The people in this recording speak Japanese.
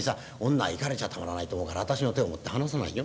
女は行かれちゃたまらないと思うからあたしの手を持って離さないよ。